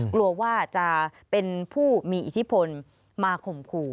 กลัวว่าจะเป็นผู้มีอิทธิพลมาข่มขู่